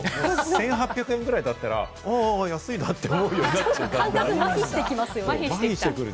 １８００円ぐらいだったら、あ、安いなって思うようになっちゃって、まひしてくるね。